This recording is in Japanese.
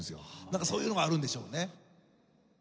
なんかそういうのがあるんでしょうね。